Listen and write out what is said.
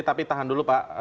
tapi tahan dulu pak